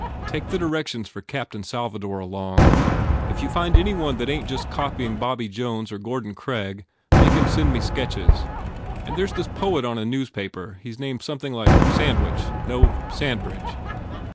Take the directions for Captain Salvador along. If you find any one that ain t just copying Bobby Jones or Gordon Craig make him send me sketches. And there s this poet on a newspaper he s named something like Sandwich no, San bridge.